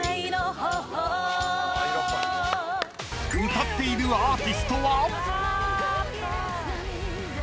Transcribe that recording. ［歌っているアーティストは？］